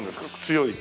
強い。